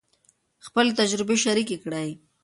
خپلې تجربې شریکې کړئ.